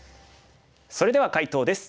それでは解答です。